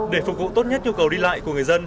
để phục vụ tốt nhất nhu cầu đi lại của người dân